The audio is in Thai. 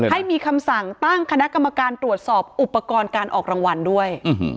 ให้มีคำสั่งตั้งคณะกรรมการตรวจสอบอุปกรณ์การออกรางวัลด้วย